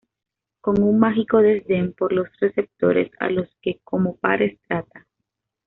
con un mágico desdén por los receptores a los que como pares trata